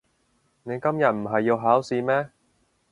你今日唔係要考試咩？